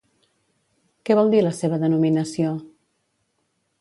Què vol dir la seva denominació?